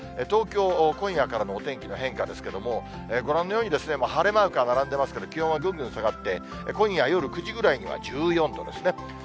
東京、今夜からのお天気の変化ですけども、ご覧のように、晴れマークが並んでますけど、気温はぐんぐん下がって、今夜夜９時ぐらいには、１４度ですね。